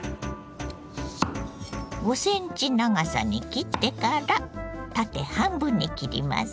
５センチ長さに切ってから縦半分に切ります。